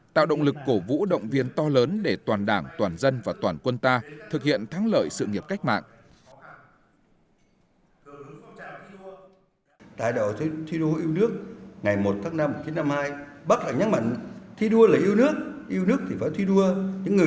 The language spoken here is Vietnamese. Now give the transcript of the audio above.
tạo động lực cổ vũ động viên to lớn để toàn đảng toàn dân và toàn quân ta thực hiện thắng lợi sự nghiệp cách mạng